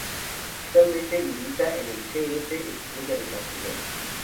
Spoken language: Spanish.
Actualmente milita en el C. F. Estrella de Castellón.